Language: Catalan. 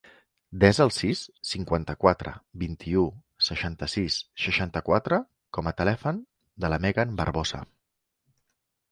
Desa el sis, cinquanta-quatre, vint-i-u, seixanta-sis, seixanta-quatre com a telèfon de la Megan Barbosa.